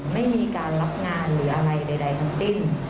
ไม่มีการรับงานหรืออะไรใดทั้งสิ้น